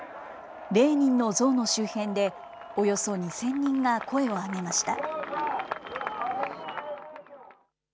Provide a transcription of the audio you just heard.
レーニンの像の周辺で、およそ２０００人が声を上げました。